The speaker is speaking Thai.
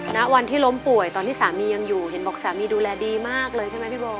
ณวันที่ล้มป่วยตอนที่สามียังอยู่เห็นบอกสามีดูแลดีมากเลยใช่ไหมพี่โบ